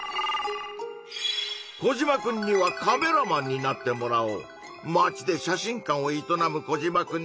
コジマくんにはカメラマンになってもらおう。